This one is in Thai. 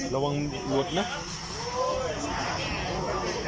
สวัสดีครับคุณแฟม